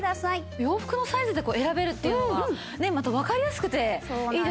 洋服のサイズで選べるっていうのがわかりやすくていいですよね。